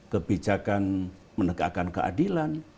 kebijakan menegakkan keadilan